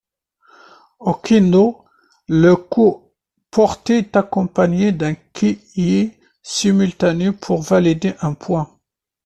Au kendo, le coup porté est accompagné d'un kiai simultané pour valider un point.